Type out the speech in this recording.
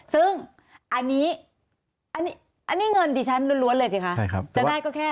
ซึ่งอันนี้เงินดิฉันล้วนเลยสิคะจะได้ก็แค่